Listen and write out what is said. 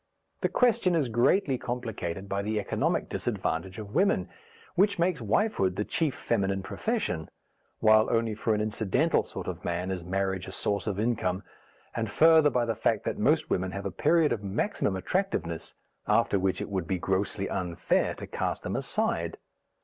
The question is greatly complicated by the economic disadvantage of women, which makes wifehood the chief feminine profession, while only for an incidental sort of man is marriage a source of income, and further by the fact that most women have a period of maximum attractiveness after which it would be grossly unfair to cast them aside.